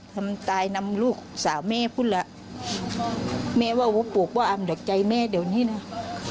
ทำตายนำลูกสาวแม่คุณล่ะแม่ว่าวุปลูกว่าอำดอกใจแม่เดี๋ยวนี้นะ